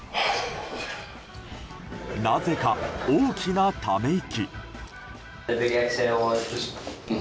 なぜか大きなため息。